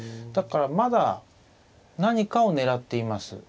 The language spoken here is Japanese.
だからまだ何かを狙っています。